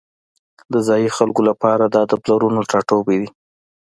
د ځایی خلکو لپاره دا د پلرونو ټاټوبی دی